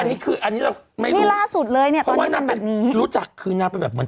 อันนี้คืออันนี้เราไม่รู้นี่ล่าสุดเลยเนี่ยเพราะว่านางเป็นรู้จักคือนางเป็นแบบเหมือน